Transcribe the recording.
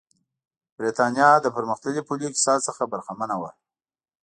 برېټانیا له پرمختللي پولي اقتصاد څخه برخمنه وه.